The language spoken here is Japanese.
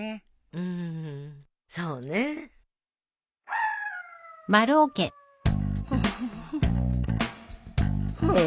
うんそうね。ハァ。